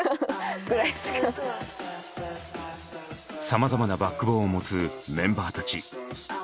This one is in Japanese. さまざまなバックボーンを持つメンバーたち。